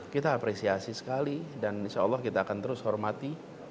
kita apresiasi sekali dan insya allah kita akan terus hormati